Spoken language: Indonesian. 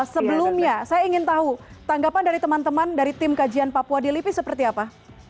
sebelumnya saya ingin tahu tanggapan dari teman teman dari tim kajian papua di lipi seperti apa